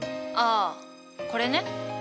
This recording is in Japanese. ああこれね。